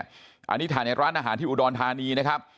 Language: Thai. อันนี้ถ่ายในร้านอาหารที่อุดรธานีนะครับ